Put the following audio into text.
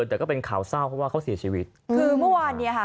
แต่ก็เป็นข่าวเศร้าเพราะว่าเขาเสียชีวิตคือเมื่อวานเนี่ยค่ะ